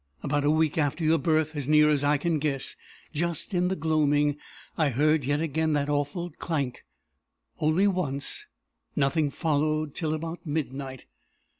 About a week after your birth, as near as I can guess, just in the gloaming, I heard yet again the awful clank only once. Nothing followed till about midnight.